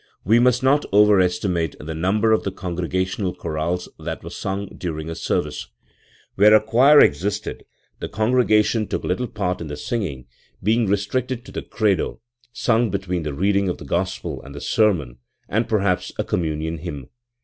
We must not over estimate the number of the congrega tional chorales that were sung during a service. Where a choir existed, the congregation took little part in the sing ing, being restricted to the Credo, sung between the reading of the Gospel and the sermon and perhaps a communion hymn.